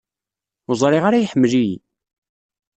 Ur ẓriɣ ara iḥemmel-iyi.